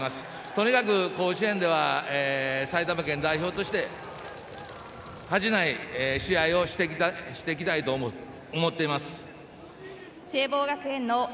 とにかく甲子園では埼玉県代表として恥じない試合をしていきたいと思ってます。